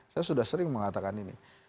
saya sudah sering mengatakan ini